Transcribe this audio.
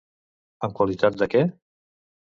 En qualitat de què?